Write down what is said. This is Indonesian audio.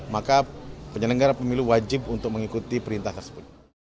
maka penyelenggara pemilu wajib untuk mengikuti perintah tersebut